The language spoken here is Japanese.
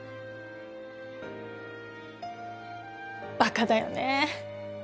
バカだよね。